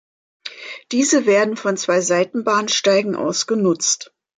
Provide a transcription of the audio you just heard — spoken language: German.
Diese werden von zwei Seitenbahnsteigen aus genutzt.